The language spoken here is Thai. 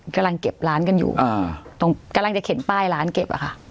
กำลังเก็บร้านกันอยู่ตรงกำลังจะเข็นป้ายร้านเก็บอะค่ะ